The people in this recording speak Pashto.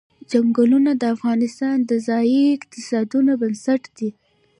چنګلونه د افغانستان د ځایي اقتصادونو بنسټ دی.